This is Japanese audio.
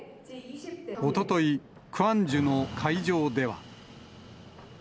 おととい、クァンジュの会場では。